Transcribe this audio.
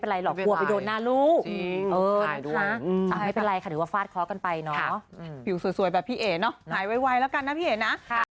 ถ้าไปโดนหน้าลูกไปโดนอะไรอย่างนี้โอ้โฮ